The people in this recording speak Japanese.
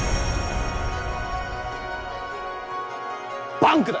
バンクだ。